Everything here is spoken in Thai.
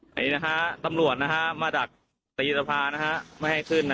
นี่นะฮะตำรวจมาดักตีสภานะฮะไม่ให้ขึ้น